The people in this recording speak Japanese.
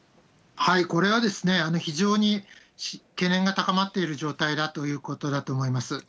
これは非常に懸念が高まっている状態だということだと思います。